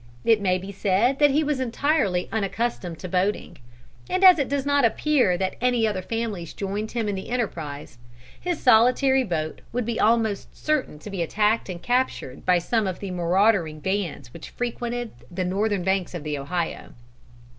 It may be said that he was entirely unaccustomed to boating. And as it does not appear that any other families joined him in the enterprise, his solitary boat would be almost certain to be attacked and captured by some of the marauding bands which frequented the northern banks of the Ohio.